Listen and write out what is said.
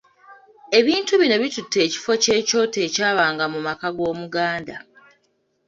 Ebintu bino bitutte ekifo ky’ekyoto ekyabanga mu maka g’Omuganda.